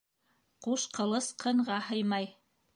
Ҡуш ҡылыс ҡынға һыймай.